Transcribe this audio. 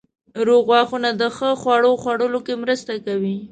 روغ غاښونه د ښه خوړو خوړلو کې مرسته کوي.